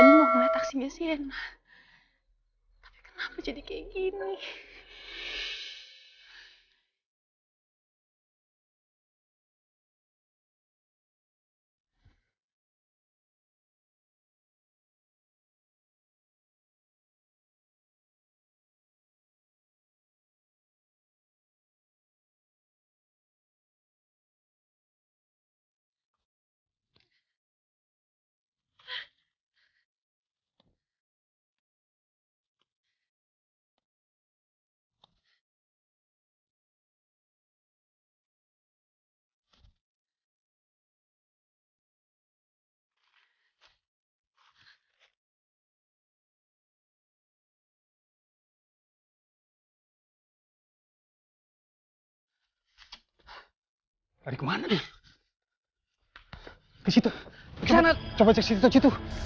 kenapa sih nasib gue kayak begini